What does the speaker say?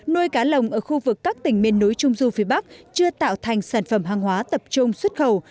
nuôi cá lồng ở khu vực các tỉnh miền núi trung du phía bắc chưa tạo thành sản phẩm hàng hóa tập trung xuất khẩu